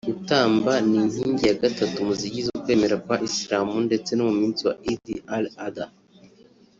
Gutamba ni inkingi ya gatatu mu zigize ukwemera kwa Islam ndetse ku munsi wa Eid Al Adha